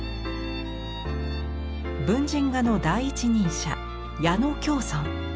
文人画の第一人者矢野橋村。